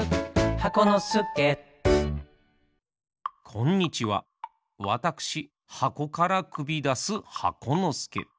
こんにちはわたくしはこからくびだす箱のすけ。